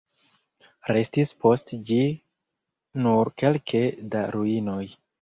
Restis post ĝi nur kelke da ruinoj.